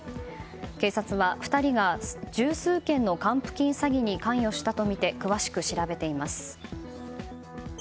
警察は２人が十数件の還付金詐欺に関与したとみて詳しく調べています。